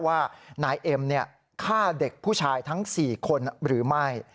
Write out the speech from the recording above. ว่านายเอ็มฆ่าเด็กผู้ชายทั้ง๔คนหรือไม่